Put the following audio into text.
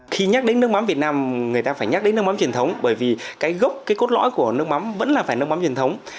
khi nhắc đến nước mắm việt nam người ta phải nhắc đến nước mắm truyền thống bởi vì cái gốc cái cốt lõi của nước mắm vẫn là phải nước mắm truyền thống